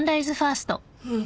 うん。